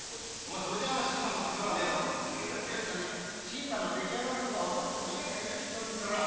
それじゃあ新さんの立場がねえだろう！ですが新さんの出来上がるのが遅くてイライラしてたんです！